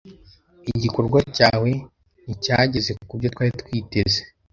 Igikorwa cyawe nticyageze kubyo twari twiteze.